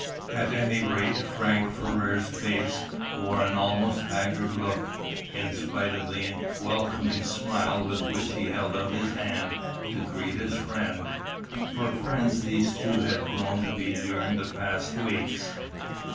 At any rate Frank Ferrars' face wore an almost haggard look in spite of the welcoming smile with which he held out his hand to greet his friend, for friends these two had grown to be during the past weeks.